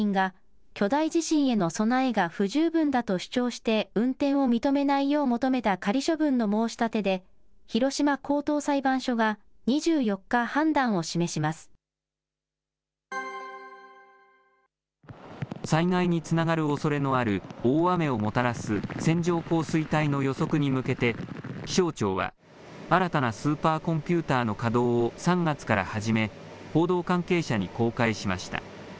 愛媛県にある伊方原子力発電所３号機について、広島県などの住民が、巨大地震への備えが不十分だと主張して、運転を認めないよう求めた仮処分の申し立てで、広島高等裁判所が２４日、判断を災害につながるおそれのある大雨をもたらす線状降水帯の予測に向けて、気象庁は、新たなスーパーコンピューターの稼働を３月から始め、報道関係者に公開しました。